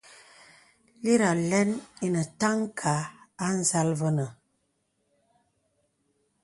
Lít àlə̀n enə tànka à nzàl vənə.